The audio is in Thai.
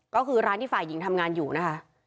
ก็คือร้านที่ฝ่ายหญิงทำงานอยู่นะคะ